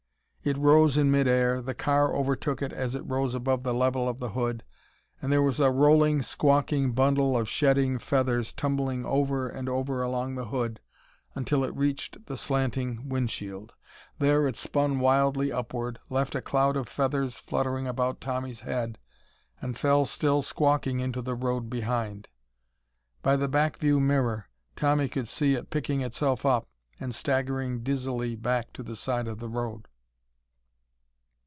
It rose in mid air, the car overtook it as it rose above the level of the hood, and there was a rolling, squawking bundle of shedding feathers tumbling over and over along the hood until it reached the slanting windshield. There it spun wildly upward, left a cloud of feather's fluttering about Tommy's head, and fell still squawking into the road behind. By the back view mirror, Tommy could see it picking itself up and staggering dizzily back to the side of the road.